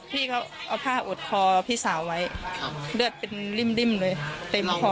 พี่เขาเอาผ้าอุดคอพี่สาวไว้เลือดเป็นริ่มเลยเต็มคอ